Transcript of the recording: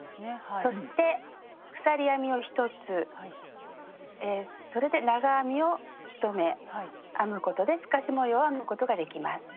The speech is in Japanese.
そして鎖編みを１つそれで長編みを１目編むことで透かし模様を編むことができます。